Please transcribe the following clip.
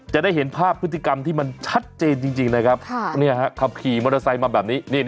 จะได้เห็นภาพพฤติกรรมที่มันชัดเจนจริงนะครับขับขี่มอเตอร์ไซค์มาแบบนี้